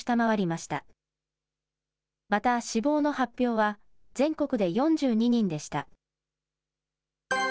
また死亡の発表は、全国で４２人でした。